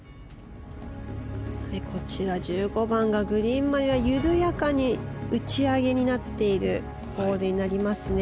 こちら、１５番グリーンまでは緩やかに打ち上げになっているホールになりますね。